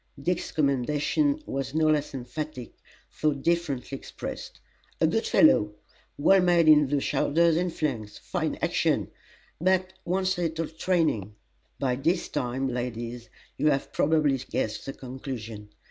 Dick's commendation was no less emphatic though differently expressed: "A good fellow! well made in the shoulders and flanks: fine action, but wants a little training!" By this time, ladies, you have probably guessed the conclusion.